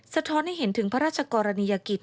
สะท้อนให้เห็นถึงพระราชกรณียกิจ